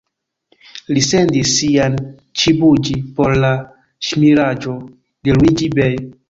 Li sendis sian _ĉibuĝi_ por la ŝmiraĵo de Luiĝi-Bej.